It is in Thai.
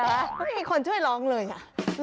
ไม่มีคนช่วยร้องเลยอ่ะ